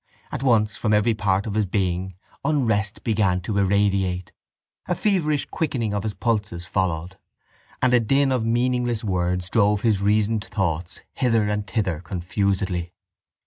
At once from every part of his being unrest began to irradiate. A feverish quickening of his pulses followed, and a din of meaningless words drove his reasoned thoughts hither and thither confusedly.